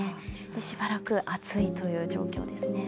しばらく暑いという状況ですね。